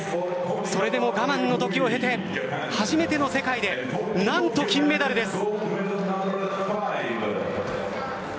それでも我慢の時を経て初めての世界で何と金メダルです。